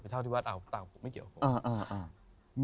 ไปเช่าที่วัดเอาตัวไม่เกี่ยวของผม